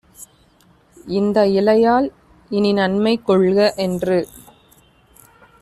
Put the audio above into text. "இந்த இலையால் இனிநன்மை கொள்க" என்று